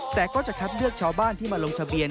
แต่ก็จะคัดเลือกชาวบ้านที่มาลงทะเบียน